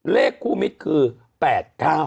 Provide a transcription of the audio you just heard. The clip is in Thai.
เลขคู่มิตรคือ๘๙